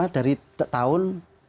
dari tahun dua ribu dua belas